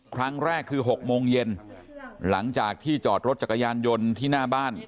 ครั้งแรกคือ๖โมงเย็นหลังจากที่จอดรถจักรยานยนต์ที่หน้าบ้าน